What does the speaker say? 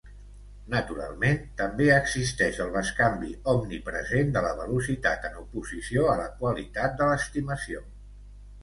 Naturalment, també existeix el bescanvi omnipresent de la velocitat en oposició a la qualitat de l'estimació.